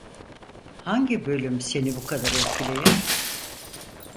Hangi bölüm, seni bu kadar etkileyen?